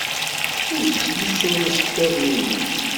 Ur tettlusud iceḍḍiḍen-nnek.